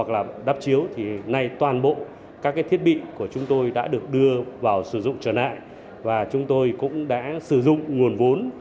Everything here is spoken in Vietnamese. các thiết bị của chúng tôi đã được đưa vào sử dụng trở lại và chúng tôi cũng đã sử dụng nguồn vốn